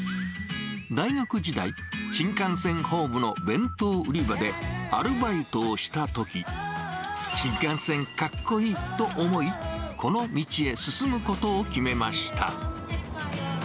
大学時代、新幹線ホームの弁当売り場でアルバイトをしたとき、新幹線かっこいいと思い、この道へ進むことを決めました。